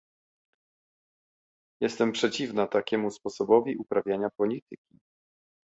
Jestem przeciwna takiemu sposobowi uprawiania polityki